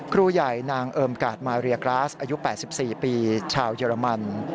ครูใหญ่นางเอิมกาดมาเรียกราสอายุ๘๔ปีชาวเยอรมัน